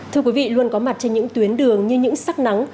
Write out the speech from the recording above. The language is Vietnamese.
thưa quý vị luôn có mặt trên những tuyến đường như những sắc nắng